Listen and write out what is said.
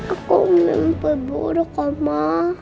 aku mimpi buruk oma